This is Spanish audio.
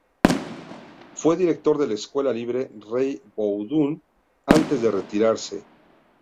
Fue director de la Escuela Libre Rey Baudouin antes de retirarse.